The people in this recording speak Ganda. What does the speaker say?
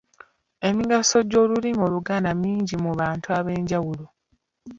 Emigaso gy’Olulimi Oluganda mingi mu bantu ab'enjawulo.